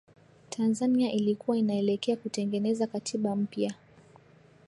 Tanzania ilikuwa inaelekea kutengeneza Katiba mpya